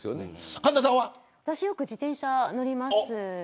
私は、よく自転車に乗ります。